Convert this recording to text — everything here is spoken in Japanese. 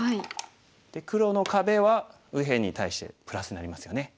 黒の壁は右辺に対してプラスになりますよね。